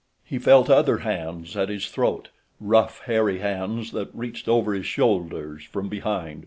He felt other hands at his throat, rough hairy hands that reached over his shoulders from behind.